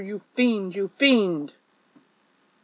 you fiend ! you fiend !